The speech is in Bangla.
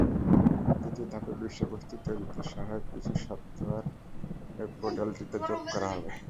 দ্বিতীয় ধাপে বিষয়বস্তু তৈরিতে সহায়ক কিছু সফটওয়্যার ওয়েব পোর্টালটিতে যোগ করা হবে।